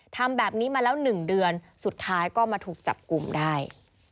ทำแบบนี้มาแล้ว๑เดือนสุดท้ายก็มาถูกจับกลุ่มได้